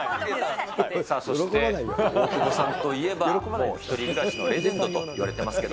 さあ、そして、大久保さんといえば、もう１人暮らしのレジェンドといわれてますけど。